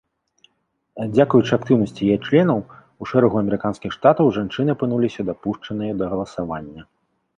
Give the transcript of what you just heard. Дзякуючы актыўнасці яе членаў у шэрагу амерыканскіх штатаў жанчыны апынуліся дапушчаныя да галасавання.